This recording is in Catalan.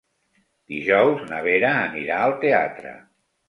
Dijous na Vera anirà al teatre.